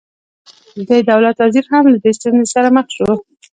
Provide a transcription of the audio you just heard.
د دولت وزیر هم له دې ستونزې سره مخ شو.